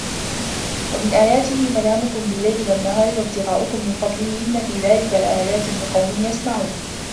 وَمِن آياتِهِ مَنامُكُم بِاللَّيلِ وَالنَّهارِ وَابتِغاؤُكُم مِن فَضلِهِ إِنَّ في ذلِكَ لَآياتٍ لِقَومٍ يَسمَعونَ